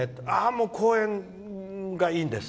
もう講演がいいんです。